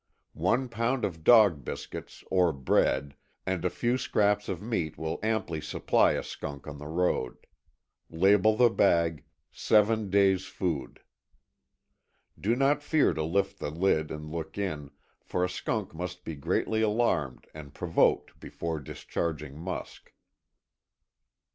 One pound of dog biscuits, or bread, and a few scraps of meat will amply supply a skunk on the road. Label the bag ŌĆ£Seven days foodŌĆØ. Do not fear to lift the lid and look in, for a skunk must be greatly alarmed and provoked before discharging musk.